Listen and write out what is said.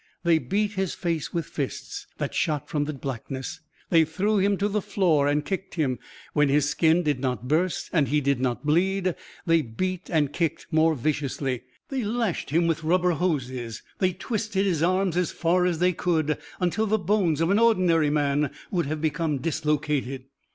They beat his face with fists that shot from the blackness. They threw him to the floor and kicked him. When his skin did not burst and he did not bleed, they beat and kicked more viciously. They lashed him with rubber hoses. They twisted his arms as far as they could until the bones of an ordinary man would have become dislocated.